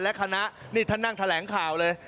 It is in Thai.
และคณะนี่ท่านนั่งแถลงข่าวเลย